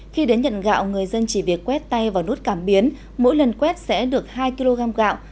khi đến nhận gạo người dân chỉ việc quét tay vào nút cảm biến mỗi lần quét sẽ được hai kg gạo